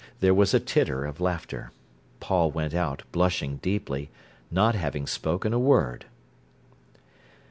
There was a titter of laughter. Paul went out, blushing deeply, not having spoken a word.